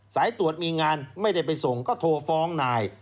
สายตรวจมีงานไม่ได้ไปส่งก็โทรฟ้องนาย